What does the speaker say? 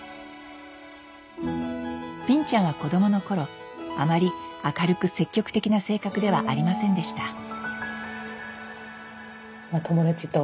ぴんちゃんは子供の頃あまり明るく積極的な性格ではありませんでした。